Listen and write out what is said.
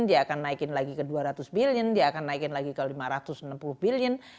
dia akan naikin lagi ke dua ratus billion dia akan naikin lagi ke lima ratus enam puluh billion